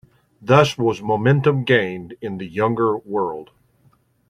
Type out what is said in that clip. Thus was momentum gained in the Younger World.